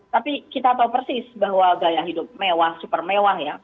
tapi kita tahu persis bahwa gaya hidup mewah super mewah ya